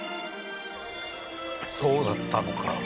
そうだったのか。